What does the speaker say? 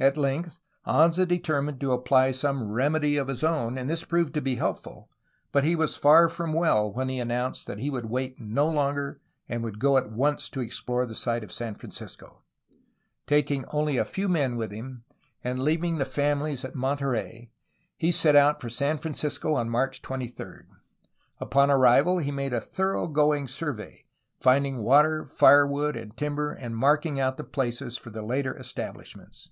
At length Anza determined to apply some remedy of his own, and this proved to be helpful, but he was far from well when he announced that he would wait no longer and would go at once to explore the site of San Francisco. Taking only a few men with him, and leaving the famihes at Monte rey, he set out for San Francisco on March 23. Upon arrival he made a thorough going survey, finding water, fire wood, and timber, and marking out the places for the later estab lishments.